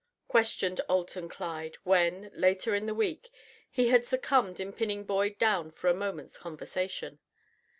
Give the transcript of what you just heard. questioned Alton Clyde, when, later in the week, he had succeeded in pinning Boyd down for a moment's conversation.